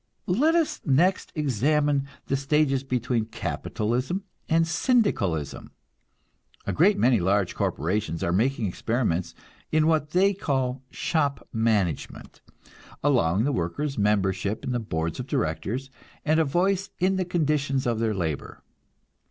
Let us next examine the stages between capitalism and Syndicalism. A great many large corporations are making experiments in what they call "shop management," allowing the workers membership in the boards of directors and a voice in the conditions of their labor.